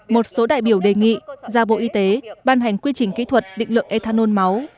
một số đại biểu đề nghị ra bộ y tế ban hành quy trình kỹ thuật định lượng ethanol máu